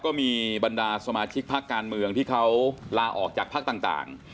ก็มีบรรดาสมาชิกพักการเมืองที่เขาลาออกจากพักต่าง